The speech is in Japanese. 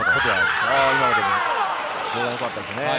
今上段よかったですね。